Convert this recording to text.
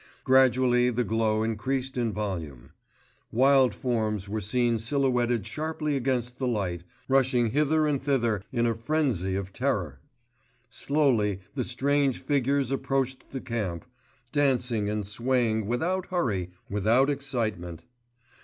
Gradually the glow increased in volume. Wild forms were seen silhouetted sharply against the light, rushing hither and thither in a frenzy of terror. Slowly the strange figures approached the camp: dancing and swaying, without hurry, without excitement.